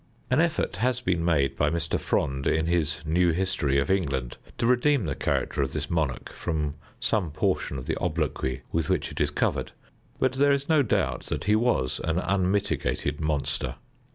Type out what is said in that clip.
An effort has been made by Mr. Fronde, in his new history of England, to redeem the character of this monarch from some portion of the obloquy with which it is covered, but there is no doubt that he was an unmitigated monster.